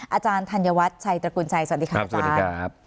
อาจารย์ธัญวัฒน์ชัยตระกุลชัยสวัสดีค่ะอาจารย์ครับ